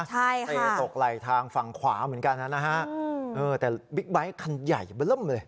แต่ตกไหลทางฝั่งขวาเหมือนกันนะฮะเออแต่บิ๊กไบท์คันใหญ่บล้มเลย